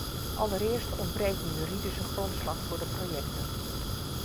Allereerst ontbreekt een juridische grondslag voor de projecten.